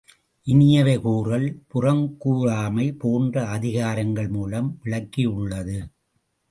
இனியவை கூறல், புறங்கூராமை போன்ற அதிகாரங்கள் மூலம் விளக்கியுள்ளது.